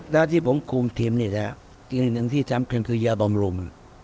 แล้วที่ผมคุมทีมนี้นะครับจริงที่สำคัญคือเยาว์บำรุม